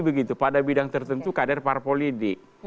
begitu pada bidang tertentu kader parpolidik